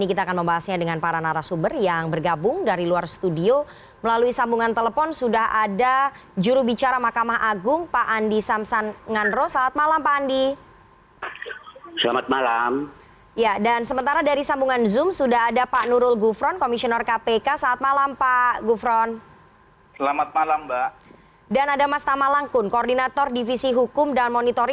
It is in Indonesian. oke saya mau langsung saja ke pak andi